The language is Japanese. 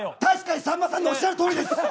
確かにさんまさんのおっしゃるとおりです！